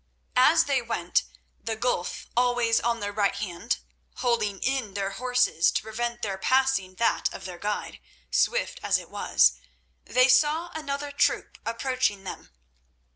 As they went, the gulf always on their right hand, holding in their horses to prevent their passing that of their guide, swift as it was, they saw another troop approaching them.